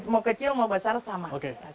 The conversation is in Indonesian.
mau kecil mau besar sama